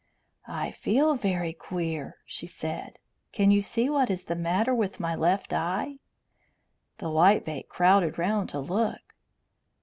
"I feel very queer," she said. "Can you see what is the matter with my left eye?" The whitebait crowded round to look.